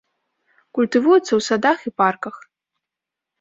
Культывуецца ў садах і парках.